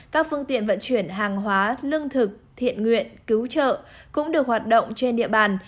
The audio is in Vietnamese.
các phương tiện vận chuyển hàng hóa lương thực thiện nguyện cứu trợ cũng được hoạt động trên địa bàn